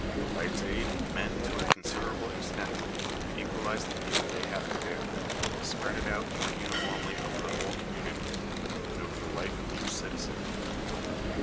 By its aid, men to a consider able extent equalize the evil they have to bear — spread it out more uniformly over the whole community, and over the life of each citizen.